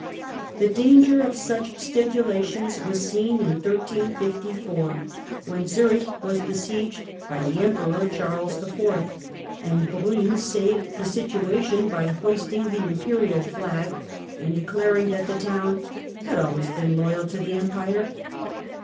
The danger of such stipulations was seen in 1354, when Zurich was besieged by the Emperor Charles IV., and Brun saved the situation by hoisting the Imperial flag and declaring that the town had always been loyal to the Empire.